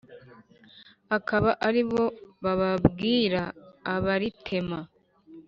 akaba aribo bababwira abaritema.